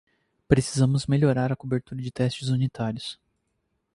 Precisamos melhorar a cobertura de testes unitários.